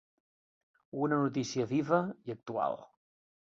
Una notícia viva i actual.